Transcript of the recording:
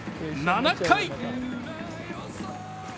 ７回。